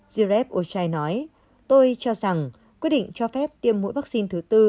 girev ochai nói tôi cho rằng quyết định cho phép tiêm mũi vaccine thứ tư